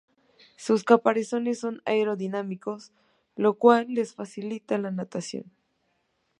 Sus caparazones son aerodinámicos lo cual les facilita la natación.